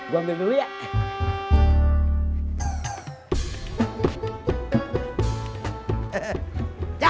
gue ambil dulu ya